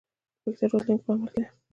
د پښتو راتلونکی په عمل کې دی.